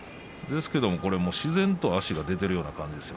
ですが自然と足が出ているような感じです。